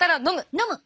飲む！